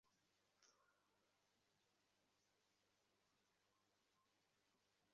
ঠাণ্ডা হইয়া কুমুদ স্নান করিতে গেল।